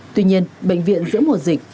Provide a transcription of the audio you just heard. tuy nhiên bệnh viện giữa mùa dịch